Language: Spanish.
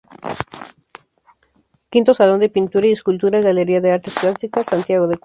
V Salón de Pintura y Escultura, Galería de Artes Plásticas, Santiago de Cuba.